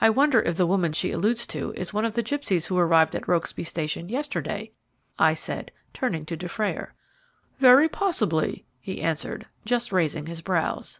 "I wonder if the woman she alludes to is one of the gipsies who arrived at Rokesby Station yesterday," I said, turning to Dufrayer. "Very possibly," he answered, just raising his brows.